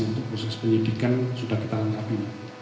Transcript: untuk proses penyidikan sudah kita lengkapi